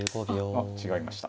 あっ違いました。